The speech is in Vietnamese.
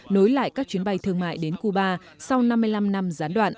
nối lại các chuyến bay thương mại đến cuba sau năm mươi năm năm gián đoạn